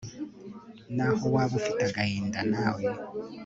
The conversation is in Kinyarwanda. n'aho waba ufite agahinda; nawe